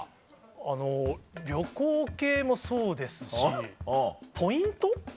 あの旅行系もそうですしポイント？